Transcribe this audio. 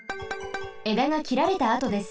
えだがきられたあとです。